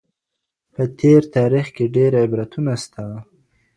په تېر تاریخ کي ډېر عبرتونه سته.